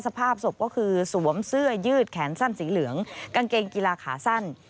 สภาพศพก็คือสวมเสื้อยืดแขนสั้นสีเหลืองกางเกงกีฬาขาสั้น